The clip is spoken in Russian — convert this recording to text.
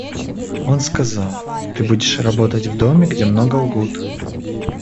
Он сказал: «Ты будешь работать в доме, где много лгут».